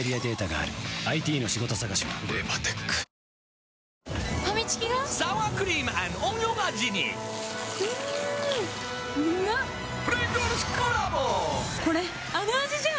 あの味じゃん！